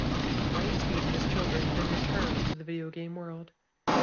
Lightspeed and his children then return to the video game world.